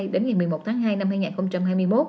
đến ngày một mươi một tháng hai năm hai nghìn hai mươi một